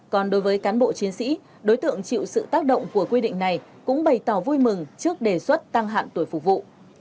còn đối với cán bộ chiến sĩ đối tượng chịu sự tác động của quy định này cũng bày tỏ vui mừng trước đề xuất tăng hạn tuổi phục vụ